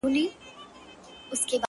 نن محتسب له خپل کتابه بندیز ولګاوه.!